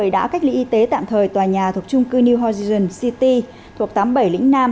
đã cách ly y tế tạm thời tòa nhà thuộc trung cư new hosgon city thuộc tám mươi bảy lĩnh nam